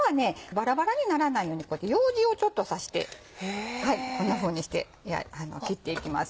バラバラにならないようにようじをちょっと刺してこんなふうにして切っていきます。